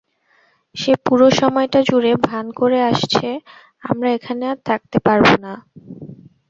সে পুরো সময়টা জুড়ে ভান করে আসছে আমরা এখানে আর থাকতে পারব না।